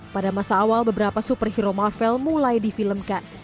pada masa awal beberapa superhero marvel mulai difilmkan